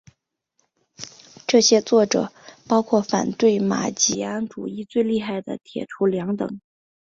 这些作者包括反对马吉安主义最厉害的铁徒良等。